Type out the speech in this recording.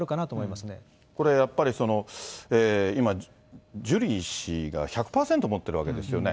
まこれやっぱり、今、ジュリー氏が１００％持ってるわけですよね。